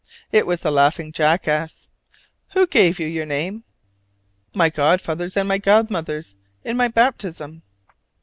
It was the laughing jackass. "Who gave you your name?" "My godfathers and my godmothers in my baptism."